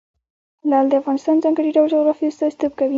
لعل د افغانستان د ځانګړي ډول جغرافیه استازیتوب کوي.